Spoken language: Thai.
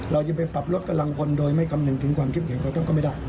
เราจะไปปรับลดกำลังพลโดยไม่คำนึงถึงความเข้มแข็งของท่านก็ไม่ได้